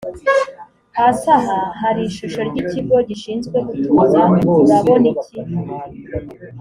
hasi aha hari ishusho ry ikigo gishinzwe gutuza urabona iki